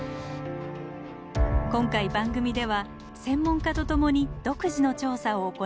今回番組では専門家と共に独自の調査を行いました。